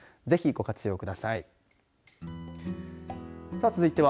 ぜひ、ご活用ください。